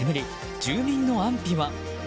住民の安否は？